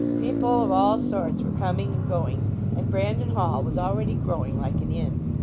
People of all sorts were coming and going, and Brandon Hall was already growing like an inn.